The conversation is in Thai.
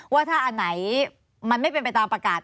ว่าถ้าอันไหนมันไม่เป็นไปตามประกาศ